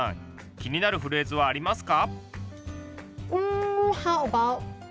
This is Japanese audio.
気になるフレーズはありますか？